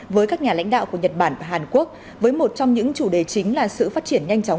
với các nhà lãnh đạo của nhật bản và hàn quốc với một trong những chủ đề chính là sự phát triển nhanh chóng